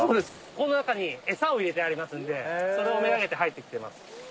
この中に餌を入れてありますんでそれをめがけて入って来てます。